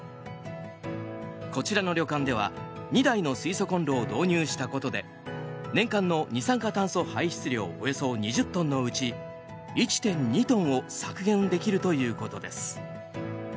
こちらの旅館では２台の水素コンロを導入したことで年間の二酸化炭素排出量およそ２０トンのうち１．２トンを削減できるということです。